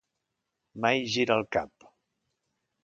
Mai gira el cap.